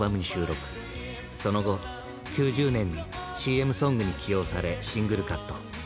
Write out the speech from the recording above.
その後９０年にＣＭソングに起用されシングルカット。